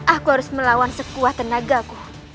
aku harus melawan sekuat tenagaku